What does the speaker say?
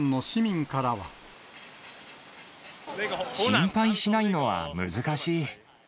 心配しないのは難しい。